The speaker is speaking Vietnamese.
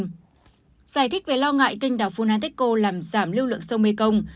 giải thích về lo ngại kênh đảo funanteko làm giảm lưu lượng sông mekong